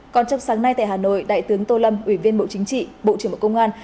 còn trong sáng nay tại hà nội đại tướng tô lâm ủy viên bộ chính trị bộ trưởng bộ công an